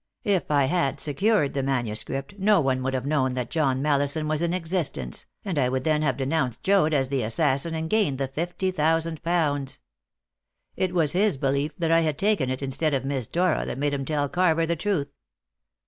If I had secured the manuscript, no one would have known that John Mallison was in existence, and I would then have denounced Joad as the assassin and gained the fifty thousand pounds. It was his belief that I had taken it instead of Miss Dora that made him tell Carver the truth.